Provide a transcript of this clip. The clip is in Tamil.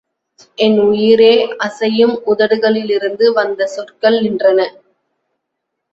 என் உயிரே! அசையும் உதடுகளிலிருந்து வந்த சொற்கள் நின்றன.